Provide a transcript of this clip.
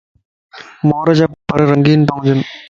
مورَ جا پرَ رنگين تا ھونجن